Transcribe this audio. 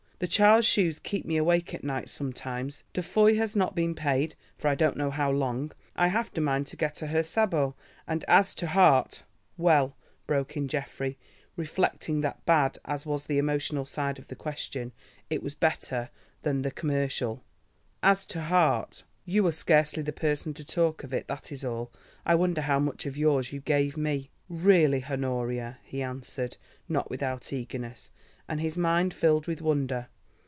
The child's shoes keep me awake at night sometimes. Defoy has not been paid for I don't know how long. I have a mind to get her sabots—and as to heart——" "Well," broke in Geoffrey, reflecting that bad as was the emotional side of the question, it was better than the commercial—"as to 'heart?'" "You are scarcely the person to talk of it, that is all. I wonder how much of yours you gave me?" "Really, Honoria," he answered, not without eagerness, and his mind filled with wonder.